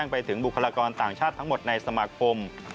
ไปถึงบุคลากรต่างชาติทั้งหมดในสมาคม